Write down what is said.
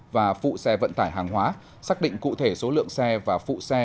và phụ xe vận tải hàng hóa xác định cụ thể số lượng xe và phụ xe